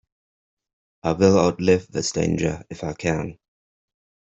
I will outlive this danger, if I can.